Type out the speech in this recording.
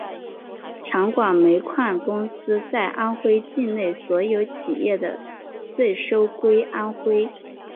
长广煤矿公司在安徽境内所有企业的税收归安徽。